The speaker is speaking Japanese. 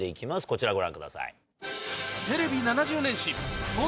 こちらご覧ください。